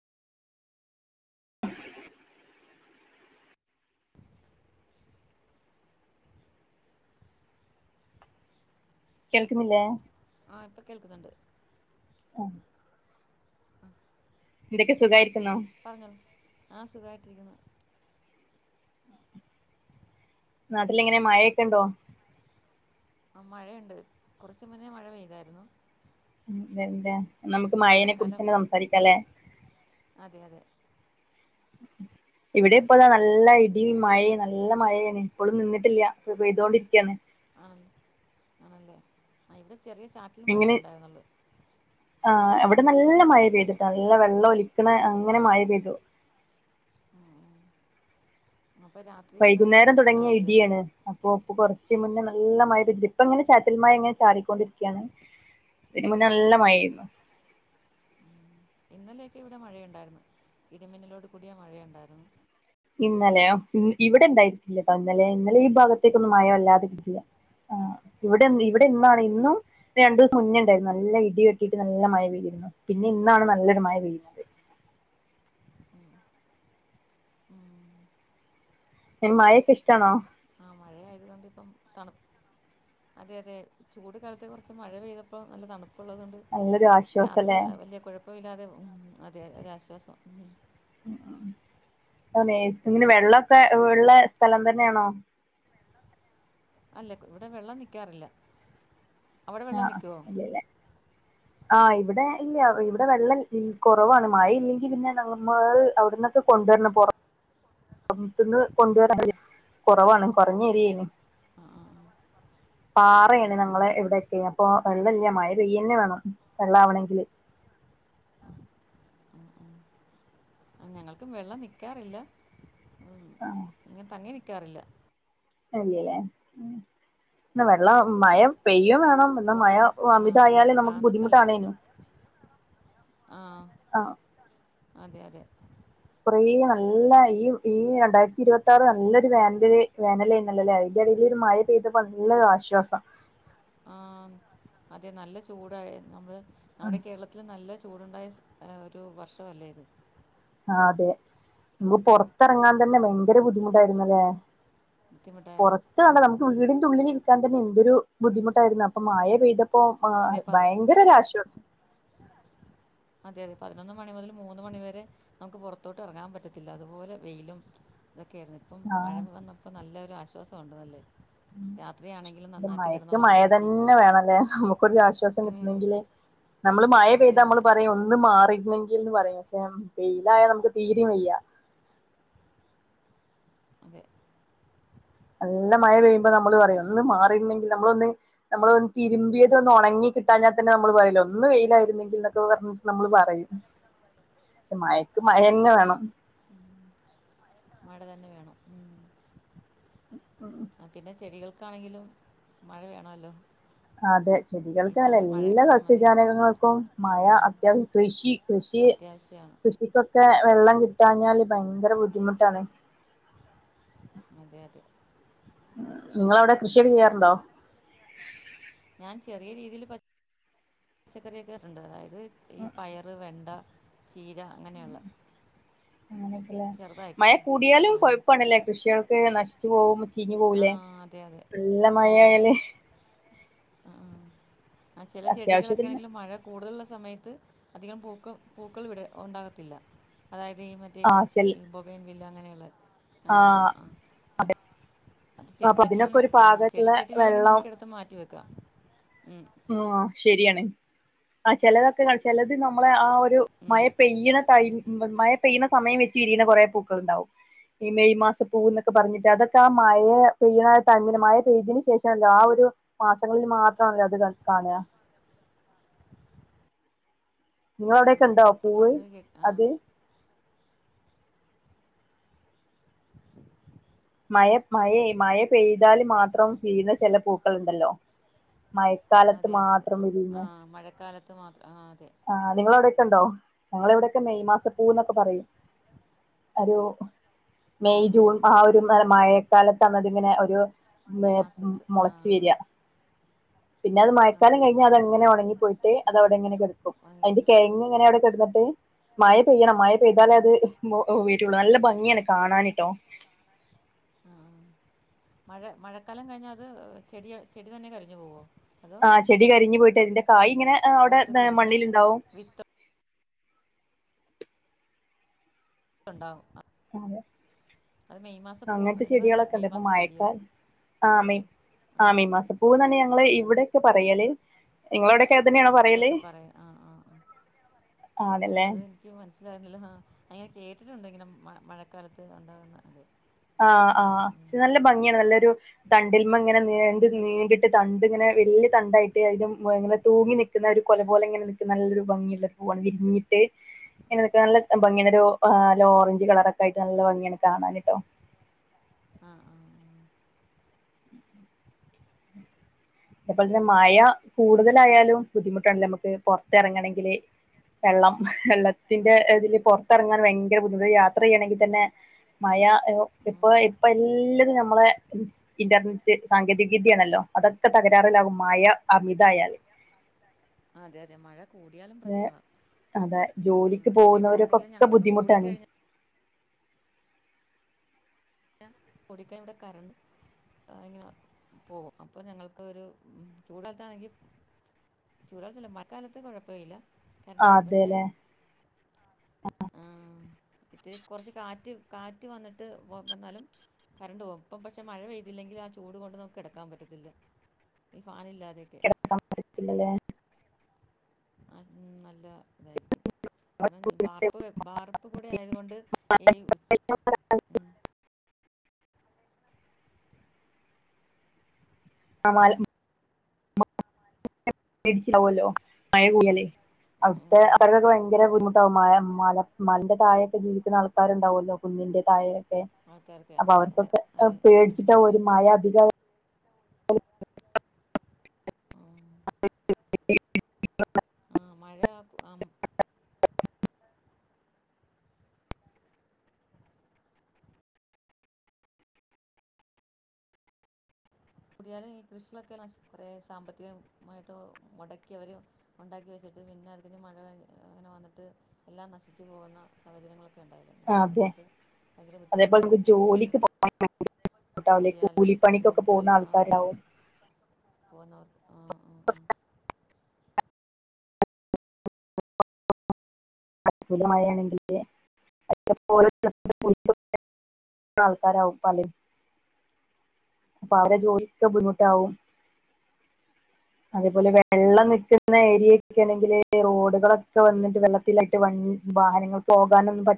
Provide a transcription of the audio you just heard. [inaudible] കേൾക്കുന്നില്ലേ? ആ ഇപ്പം കേൾക്കുന്നുണ്ട്. ആഹ് എന്തൊക്കെ സുഖമായിരിക്കുന്നോ? പറഞ്ഞോ ആ സുഖമായിട്ടിരിക്കുന്നു. നാട്ടിലെങ്ങനെ മഴയൊക്കെ ഉണ്ടോ? ആ മഴയുണ്ട് കുറച്ച് മുന്നേ മഴ പെയ്തായിരുന്നു. ആ അതല്ല ഇപ്പം നമുക്ക് ഇനി മാഴനെ മഴക്കാലം കുറിച്ച്ന്നെ സംസാരിക്കാലേ? അതെ അതെ [inaudible] ഇവിടെ ഇപ്പോല നല്ല ഇടി മഴ നല്ല മഴയാണ് ഇപ്പോഴും നിന്നിട്ടില്ല. പെയ്തൊണ്ടിരിക്കുകയാണ്. ആണല്ലേ ആണല്ലേ ആ ഇവിടെ ചെറിയ ചാറ്റിൽ മഴയ ഉണ്ടായിരുന്നുള്ളൂ. ആ് എവിടെ നല്ല മഴ പെയ്തിട്ട്. നല്ല വെള്ളം ഒലിക്ക്ണ അങ്ങനെ മഴ പെയ്തു. [inaudible] അപ്പൊ രാത് വൈകുന്നേരം തുടങ്ങിയ ഇടിയാണ്. അപ്പൊ ഇപ്പ കുറച്ച് മുന്നേ നല്ല മഴ പതില്ല ഇപ്പ ഇങ്ങനെ ചാറ്റൽ മഴ ഇങ്ങനെ ചാറിക്കൊണ്ടിരികയാണ്. ഇതിന് മുന്നേ നല്ല മഴരുന്നു. ഉം ഇന്നലെയൊക്കെ ഇവിടെ മഴയുണ്ടായിരുന്നു ഇടിമിന്നലോട് കൂടിയ മഴയുണ്ടായിരുന്നു. ഇന്നലെയ ഇവിടെ ഇടയിടില്ലട്ടോ ഇന്നലെ ഇന്നലെ ഈ ഭാഗത്തേക്കൊന്നും മഴവല്ലാതെ കിട്ടില ആ അത് ഇവിടെ ഇവിടെ ഇണ് ഇന്നും രണ്ടു ദിവസം ഉുന്ന ഉണ്ടായിരുന്നു. ഉം ഉം നല്ല ഇടി കെട്ടിയിട്ട് നല്ല മഴ പെയ്തിരുന്നു പിന്നെ ഇന്നാണ് നല്ലൊരു മഴ പെയ്യുന്നത്. [inaudible] എ മാഴക്കെ ഇഷ്ടമാണോ? ആ മഴയത് കൊണ്ട് ഇപ്പം തണുപ്പ. അതെ അതെ ചൂട് കാലത്ത് കുറച്ച് മഴ പെയ്തപ്പോൾ നല്ല തണുപ്പുള്ളതുണ്ട്. നല്ലൊരു രാത്രി ആശ്വാസല്ലേ വലിയ കുഴപ്പ ഇില്ലാതെ ഉ അതെ ഒരാശ്വാസം. ഉ അതെ ഇങ്ങനെ വെള്ളമൊക്കെ ഉള്ള സ്ഥലം തന്നെയാണോ? അല്ല ഇവിടെ വെള്ളം നിക്കാറില്ല. ആഹ ഇല്ലല്ലേ ആ് ഇവിടെ ഇല്ല ഇവിടെ വെള്ളം കുറവാണ് മഴയില്ലെങ്കി പിന്നെ നമ്മൾ അവിടുന്ന്. കൊണ്ടുവരണം പോറത്. അന്ന് കൊണ്ടുവരാൻ ആ കുറവാണ് കുറഞ്ഞരിയന്. ആഹ് പാറയാണ് നമ്മളെ ഇവിടെയൊക്കെ അപ്പൊ ആ ആ വെള്ളല്ല മഴ പെയ്യന്നെ വേണം വെള്ളം ആകണമെങ്കിൽ. [inaudible] ഞങ്ങൾക്കും വെള്ളം നിൽക്കാറില്ല ആഹ് ഇങ്ങനെ തങ്ങി നിൽക്കാറില്ല. അല്ലല്ലേ വെള്ളം മഴ പെയ്യും വേണം. എന്നാ കൊറ മഴ പോങ്ങിയ ആഹ അമിതായാല് അതഴ്ന നമുക്ക് താണുന്ന സ്ഥലല്ല ബുദ്ധിമുട്ടാണേനും ആഹ ആ അതെ അതെ കുറേ നല്ല ഈ ഈ രണ്ടായ്ത്തി ഇരുവത്താറ് നല്ലൊരു വേനല് വേനലേയ്നല്ലല്ലേ അയ്ന്റെടേലൊരു മയീ പെയ്തപ്പോ നല്ലൊരാശ്വാസം ആ അതെ നല്ല ചൂടാ നമ്മള് നമ്മളീ കേരളത്തി ല് നല്ല ചൂട്ണ്ടായ ഒരു വർഷല്ലേ ഇത് ആ അതെ നമ്മക്ക് പൊർത്തെറങ്ങാൻ തന്നെ ഉം. ഭയങ്കര ബുദ്ധിമുട്ടായ്ര്ന്നല്ലേ ബുദ്ധിമുട്ടായിരുന്നു പൊറത്തേണ്ട ഉം നമ്മക്ക് ഉം. വീടി ഉള്ളിലിരിക്കാ തന്നെ എന്തൊരു ബുദ്ധിമുട്ടായ്ര്ന്നു അപ്പൊ മയ പെയ്തപ്പോ ബ അതെ പത ഭയങ്കരൊശ്വാസം അതെ അതെ പതിനൊന്ന് മണി മുതൽ മൂന്ന് മണി വരെ നമുക്ക് പൊറത്തോട്ട് എറങ്ങാൻ പറ്റത്തില്ല അതുപോലെ വെയിലും അതൊക്കെരുന്നു പ്പം ആ മഴ വന്നപ്പം നല്ലൊരു ആശ്വാസൊണ്ട് നല്ലേ രാത്രിയാണെങ്കിലും നന്നായിട്ട് മയക്ക് മയ കിടന്നുറങ്ങാൻ പറ്റി തന്നെ വേണല്ലേ നമു ക്കൊരാശ്വാസം ഉം. കിട്ടണങ്കില് നമ്മള് മയ അതെ പെയ്താ അതെ നമ്മള് പറയും ഒന്ന് ന്ന് മാറിര്ന്നെങ്കിൽന്ന് പറയും പക്ഷെ വെയിലായ നമക്ക് തീരേം വയ്യാ അതെ നല്ല മയ പെയ്യുമ്പോ നമ്മള് പറയും ഒന്ന് മാറിര്ന്നെങ്കി നമ്മളൊന്ന് നമ്മള് തിരുമ്പിയതൊന്നൊണങ്ങി കിട്ടാഞ്ഞ തന്നെ നമ്മള് പറേല്ലേ ഒന്ന് വെയിലായിര്ന്നെങ്കിൽ എന്നൊക്കെ പറഞ് നമ്മള് പറയും പക്ഷെ മയക്ക് മയന്നെ വേണം [inaudible] മഴ തന്നെ വേണം ഉം. ഉം ഉം ആ പിന്നെ ചെടികൾക്കാണെങ്കിലും മഴ വേണല്ലോ അതെ ചെടികൾക്കെന്നല്ല എല്ലാ ഉം, അതെ സസ്യജാലകങ്ങൾക്കും മഴ അത്യാവ കൃഷി കൃഷി ശ്യാണ് കൃഷിക്കൊക്കെ വെള്ളം കിട്ടാഞ്ഞാല് ഭയങ്കര ബുദ്ധിമുട്ടാണ് അതെ അതെ ഇങ്ങളവിടെ കൃഷിയൊക്കെ ചെയ്യാറുണ്ടോ ഞാ ചെറിയ രീതിയില് പച്ചക്കറിയൊക്കെ നട്ട്ട്ട്ണ്ട് അതായ ത് ഈ പയറ് വെണ്ട ചീര അങ്ങനെയുള്ള ചെറുതായിട്ട് മയ കൂടീയാലും ആ കൊഴപ്പാണ്ല്ലേ കൃഷിയക്ക് നഷ് പോം ആ, ചീയൂലേ അതെ അതെ നല്ല മയ അതെ അതെ ആയാല് ആ ആ ചെല ചെടികളൊക്കെ അത്യാവശ്യത്തിന് ആണെങ്കിലും നല്ല മഴ കൂടുതല്ള്ള സമയത്ത് അധികം പൂക്ക പൂക്കൾ വിട ഉണ്ടാവത്തില്ല അതായതീ മറ്റ് ആവശ്യല്ല ഈ ബോഗൈൻ വില്ല അങ്ങനെയുള്ളെ ആഹ് ആഹ് അത് അപ്പൊ അതിനൊക്കെ ചെടിച്ചട്ടിലാണെ ഒരു ആ പാകത്തിള്ള ചെടിച്ചട്ടിലാണെങ്കി വെള്ളം നമക്ക് എടുത്ത് മാറ്റി വെക്കാം ഉം ഓഹ് ശരിയാണ് ആ ചെലതൊക്കെ ചെലത് നമ്മളെ ആ ഒരു മഴ ഉം, പെയ്യണ ടൈം അതെ മെ പെയ്ന്ന സമയം വെച്ച് വിരിയുന്ന കൊറേ പൂക്കള് ഇണ്ടാവും മെയ് മാസം പൂവെന്നൊക്കെ പറഞ്ഞിട്ട് അതൊക്കെ ആ മയ പെയ്യണ ടൈമില് മയ പെയ്ത് ശേഷല്ലോ ആ ഒരു മാസങ്ങളിൽ മാത്രണല്ലോ അത് കാൺ കാണാ ആ, നിങ്ങളവിടൊക്കെ ഇണ്ടോ ഇപ്പൊ പൂവ് പറഞ്ഞത് കേ ആ അത് [unintelligible] മയ മയ മയേയ് പെയ്താല് മാത്രം വിരീന്ന ചെല പൂക്കള് ഇണ്ടല്ലോ മ അതെ അതെ അതെ ആഹ് ആഹ് മഴക്കാലത്ത് മാത്ര ആഹ് അതെ ആ നിങ്ങളവിടെക്കെ ഇണ്ടോ ഞങ്ങളിവിടെക്കെ മെയ് മാസ പൂവ് എന്നൊക്കെ പറയും ഒരു മെയ് ജൂൺ ആ ഒരു നല്ല മയ കാലത്തണതിങ്ങനെ ഒരു മ മാസത്ത് ആ മൊളച് വര പിന്നെ അത് മയക്കാലം ആണല്ലേ ആ ആ കയ്ഞ്ഞതങ്ങനെ ഒണങ്ങിപോയ്ട്ട് അതവടങ്ങനെ കെടക്കും ഉണങ്ങി അയ്ന്റെ ആ കെയ്ങ്ങ്ങ്ങനെ അവടെ കെടന്നിട്ട് മയ പെയ്യണം മയ ആ പെയ്താലേ അത് ഓ വെരൊള്ളൂ നല്ല ഭംഗിയാണ് കാണാന് ട്ടോ അ ആ മഴ മഴക്കാലം കഴിഞ്ഞ അത് ചെട ചെടി തന്നെ കരിഞ്ഞു പോവോ അതോ ആഹ് ചെടി കരിഞ് പോയ്ട്ട് അതിന്റെ കായിങ്ങനെ അവടെ പോയിട്ട് പിന്നെ മണ്ണില് ണ്ടാവും വിത്ത് ഉണ്ടാവും അത് മെയ് മാസം പോകുന്നു അങ്ങനത്തെ എന്തോ അതിന് ചെടികളൊക്കെ ഇണ്ട് മെയ് ഇപ്പൊ മാസം ചെടിയോ മഴക്കാൽ ആ അതിൻ്റെ മീ പേര് ആ അങ്ങനത്തെ മെയ് ചെടി മാസ പൂവന്നന്നെ ഞങ്ങള് അതെ ഇവിടൊക്കെ പറയ്യൽ നിങ്ങളവടൊക്കെ എതനെയാണോ പറയൽ ഇവിടെയൊക്കെ പറയും ആ ആ ആ മേ ആണ്ല്ലേ അത് എനിക്ക് മനസ്സിലാവ്‌ണ്ല്ല അങ്ങനെ കേട്ടിട്ടുണ്ട് ഇങ്ങനെ മഴ മഴക്കാലത്ത് ഉണ്ടാകുന്ന അത് ആഹ് പക്ഷെ ഉം, ആഹ് നല്ല ഭംഗിയാണ് നല്ലൊരു തണ്ടിൽമ ഇങ്ങനെ നീണ്ട് നീണ്ടിട്ട് തണ്ട് ഇങ്ങനെ വലിയ തണ്ടായിട്ട് അതിങ്ങനെ തൂങ്ങി നി നിക്കണ ഒരു കൊല പോലെ ഇങ്ങനെ നിക്കുന്ന നല്ലൊരു ഭംഗിയുള്ള പൂവാണ് വിരിഞ്ഞിട്ട് ആ ഇങ്ങൊക്കെ നല്ല ഭംഗിയൊരു ആ ഓറഞ്ച് കളറൊക്കെ ആയിട്ട് നല്ല ഭംഗിയാണ് കാണാനിട്ടോ ആഹ് ആഹ് ആഹ് അതേപോലെ തന്നെ മഴ കൂടുതലായാലും ബുദ്ധിമുട്ടാണല്ലോ നമുക്ക് പുറത്ത് ഇറങ്ങണങ്കിൽ വെള്ളം വെള്ളത്തിന്റെ ഇതിലിപ്പോ പൊറത്തിറങ്ങാൻ ഭയങ്കര ബുദ്ധിമുട്ട് യാത്ര ചെയ്യണങ്കിൽ തന്നെ മഴ ഇപ്പൊ ഇപ്പൊ എല്ലതും നമ്മളെ ഇന്റർനെറ്റ് സാങ്കേതിക വിദ്യയാണല്ലോ അതൊക്കെ തകരാറിലാകും മഴ അമിതായാൽ ആ അതെ അതെ മഴ കൂടിയാലും ഏഹ് പ്രശ്നവ അതെ ജോലിക്ക് പിന്നെ ഇവിടെയാണെങ്കിൽ പോകുന്നവർക്കൊക്കെ ഞങ്ങളൊക്കെ കൂടി ബുദ്ധിമുട്ടാണ് കഴിഞ്ഞാൽ കുടി കഴിഞ്ഞാൽ ഇവിടെ കറണ്ട് എങ്ങനെ പോകു അപ്പൊ ഞങ്ങൾക്ക് ഒരു ചൂടു കാലത്താണെങ്കിൽ ചൂട്കാലത്തല്ല മഴക്കാലത്ത് കുഴപ്പല്ല കരണ്ട് പോയ ആഹ് പക്ഷെ അതെല്ലേ ഇത്തിരി കുറച്ച് കാറ്റ് കാറ്റ് വന്നിട്ട് വന്നാലും കറണ്ട് പോവും ഇപ്പൊ പക്ഷെ മഴ പെയ്തില്ലെങ്കിൽ ആ ചൂട് കൊണ്ട് നമുക്ക് കിടക്കാൻ പറ്റത്തില്ല ഈ ഫാനില്ലാതെയൊക്കെ കടക്കാൻ പറ്റില്ലല്ലേ അതേ നല്ല ഇതായിരിക്കും കാരണം ബാർപ്പ് ബാർപ്പ് കൂടെ ആയത്കൊണ്ട് ഈ ഉം ആ [unintelligible] മേടിച്ചാവല്ലോ മഴ പോയല്ലേ ഉം, അവിടുത്തെ ഉം. അവർക്കൊക്കെ ഭയങ്കര അതെ അതെ ബുധിമുട്ടാകും മല മലന്റെ തായയൊക്കെ ജീവിക്കുന്ന ആൾ ആൾകാർണ്ടാവല്ലോ കുന്നിന്റെ തായക്കെ ആൾക്കാർക്ക് അപ്പൊ അതെ അതെ അവർക്കൊക്കെ അതെ ആഹ് പേടിച്ചിട്ടാവും ഒരു മഴ അ ആഹ് [inaudible] ആ മഴ ആം കൂടിയാലും ഈ കൃഷികളക്കെ നശിക്കും കുറേ സാമ്പത്തികമായിട്ട് മുടക്കിയവർ ഉണ്ടാക്കി വെച്ചിട്ട് പിന്നെ അതിക്കിഞ് മഴ അങ്ങനെ വന്നിട്ട് എല്ലാം നശിച്ചു പോകുന്ന സാഹചര്യങ്ങളൊക്കെ ഒക്ക ഉണ്ടായില്ല അതെ അങ്ങനെയുള്ളവർക്കൊക്കെ ഭയങ്കര അതേപോലെ നമുക്ക് ബുദ്ധിമുട്ടായിരിക്കും അത് ജോലിക്ക് പോകട്ടാവില്ലേ കൂടിയാലും ഉം കൂലിപ്പണിക്കൊക്കെ പോകുന്ന ജോലിക്ക് അതെ ആൾക്കാരാവും പോകുന്നർ ആ ആ അല മഴയാണെങ്കില് [inaudible] ക്ക്‌ണ ആൾക്കാരവും പലരും അപ്പൊ അവരെ ജോലിക്ക് ബുദ്ധിമുട്ടാവും അതേപോലെ വെള്ളം നിക്ക്ന്ന ഏരിയൊക്കെ ആണെങ്കില് റോഡുകളൊക്കെ വന്നിട്ട് വെള്ള റ്റ്ലയ്ട്ട് വൺ വാഹനങ്ങൾ പോകാനൊന്നും പറ്റ